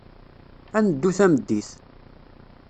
Ad neddu tameddit.